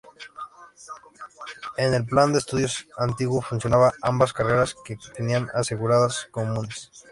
En el plan de estudios antiguo fusionaba ambas carreras que tenían asignaturas comunes.